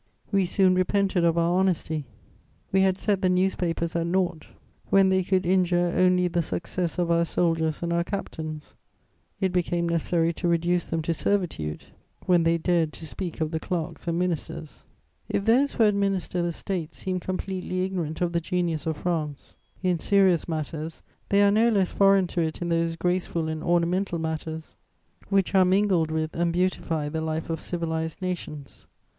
We soon repented of our honesty. We had set the newspapers at naught when they could injure only the success of our soldiers and our captains; it became necessary to reduce them to servitude when they dared to speak of the clerks and ministers.... "If those who administer the State seem completely ignorant of the genius of France in serious matters, they are no less foreign to it in those graceful and ornamental matters which are mingled with and beautify the life of civilized nations.